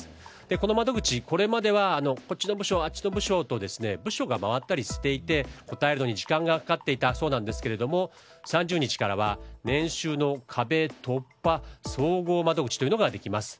この窓口、これまではこっちの部署、あっちの部署と部署が回ったりしていて答えるのに時間がかかっていたそうですが３０日からは、年収の壁突破総合窓口というのができます。